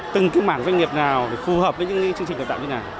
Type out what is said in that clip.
từng mảng doanh nghiệp nào phù hợp với những chương trình lập tạo như thế nào